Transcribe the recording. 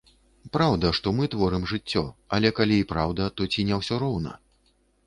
Праўда, што мы творым жыццё, але калі і праўда, то ці не ўсё роўна?